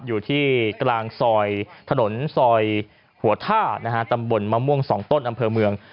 อยู่ที่กลางซอยถนนซอยหัวท่าตำบลมะม่วง๒ต้นอำเภอเมือง